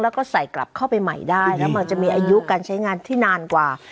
แล้วก็ใส่กลับเข้าไปใหม่ได้แล้วมันจะมีอายุการใช้งานที่นานกว่า